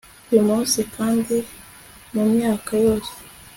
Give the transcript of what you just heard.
uyu munsi kandi mumyaka yose